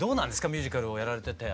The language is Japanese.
ミュージカルをやられてて。